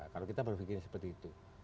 kalau kita berpikir seperti itu